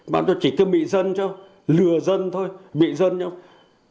mà chúng chỉ cứ bị dân chứ không lừa dân thôi bị dân chứ không